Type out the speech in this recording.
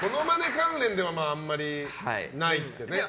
関連ではあんまりないんだよね？